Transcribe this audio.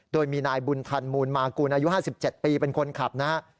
โดยมีนายบุญธรรมมูลมากูลอายุ๕๗ปีเป็นคนขับนะฮะ